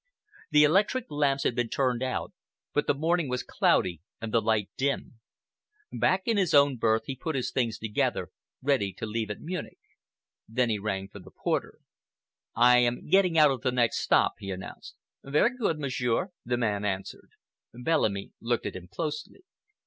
The electric lamps had been turned out, but the morning was cloudy and the light dim. Back in his own berth, he put his things together, ready to leave at Munich. Then he rang for the porter. "I am getting out at the next stop," he announced. "Very good, Monsieur," the man answered. Bellamy looked at him closely.